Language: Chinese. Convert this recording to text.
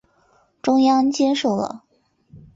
中央接受了。